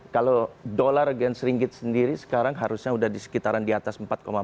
kalau dolar dan seringgit sendiri sekarang harusnya udah di sekitaran di atas empat empat